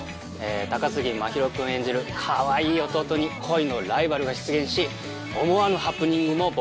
高杉真宙君演じるカワイイ弟に恋のライバルが出現し思わぬハプニングも勃発します。